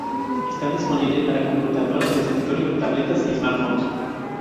Está disponible para computadoras de escritorio, tabletas y smartphones.